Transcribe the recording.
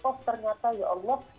oh ternyata ya allah